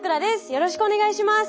よろしくお願いします。